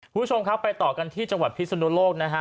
คุณผู้ชมครับไปต่อกันที่จังหวัดพิศนุโลกนะฮะ